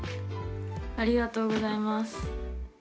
ありがとうございます。